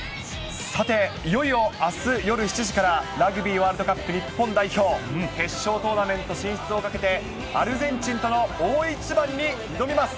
さて、いよいよあす夜７時から、ラグビーワールドカップ日本代表、決勝トーナメント進出をかけて、アルゼンチンとの大一番に挑みます。